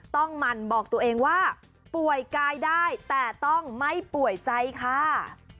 หมั่นบอกตัวเองว่าป่วยกายได้แต่ต้องไม่ป่วยใจค่ะ